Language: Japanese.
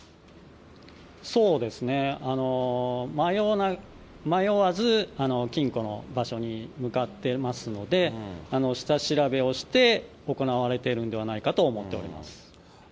そうですね、迷わず金庫の場所に向かってますので、下調べをして行われているのではないかと思っております。